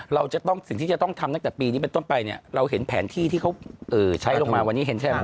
เราจะต้องสิ่งที่จะต้องทำตั้งแต่ปีนี้เป็นต้นไปเนี่ยเราเห็นแผนที่ที่เขาใช้ลงมาวันนี้เห็นใช่ไหม